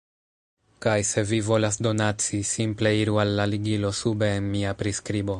Kaj se vi volas donaci, simple iru al la ligilo sube en mia priskribo.